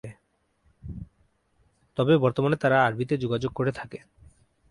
তবে বর্তমানে তারা আরবিতে যোগাযোগ করে থাকে।